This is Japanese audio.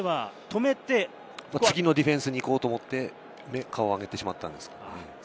次のディフェンスに行こうと思って顔を上げてしまったんです。